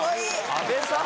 阿部さん！